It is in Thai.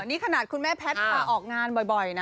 นี่ขนาดคุณแม่แพทกล่องานบ่อย